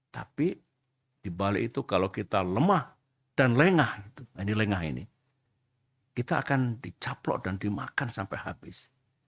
tapi dibalik itu kalau kita lemah dan lengah ini lengah ini kita akan dicaplok dan dimakan sampai habis